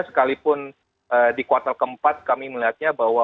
sekalipun di kuartal keempat kami melihatnya bahwa